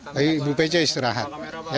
tapi ibu pt istirahat